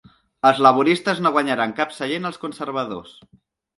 Els laboristes no guanyaran cap seient als conservadors.